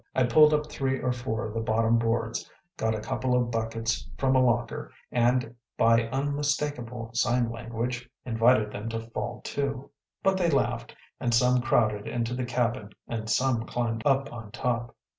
I pulled up three or four of the bottom boards, got a couple of buckets from a locker, and by unmistakable sign language invited them to fall to. But they laughed, and some crowded into the cabin and some climbed up on top.